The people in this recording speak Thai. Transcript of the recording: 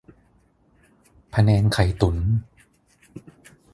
พะแนงไข่ตุ๋น